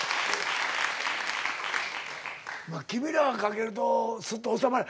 君らは掛けるとすっと収まる。